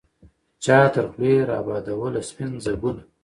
چا تر خولې را بادوله سپین ځګونه